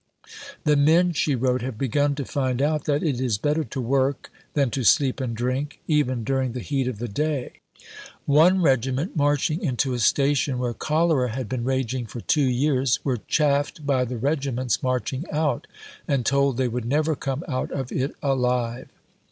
"The men," she wrote, "have begun to find out that it is better to work than to sleep and drink, even during the heat of the day. One regiment marching into a Station, where cholera had been raging for two years, were chaffed by the regiments marching out, and told they would never come out of it alive.